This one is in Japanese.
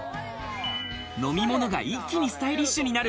飲み物が一気にスタイリッシュになる